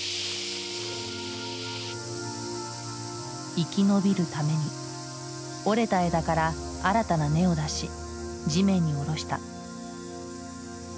生き延びるために折れた枝から新たな根を出し地面に下ろした。